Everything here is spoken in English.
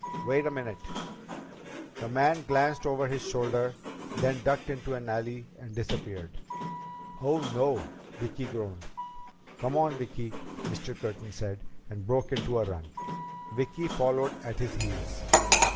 Wait a minute!" The man glanced once over his shoulder, then ducked into an alley and disappeared. "Oh, no!" Vicki groaned. "Come on, Vicki," Mr. Curtin said, and broke into a run. Vicki followed at his heels.